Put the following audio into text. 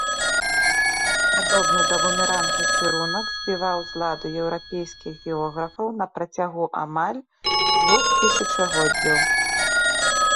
Падобны да бумерангу кірунак збіваў з ладу еўрапейскіх географаў на працягу амаль двух тысячагоддзяў.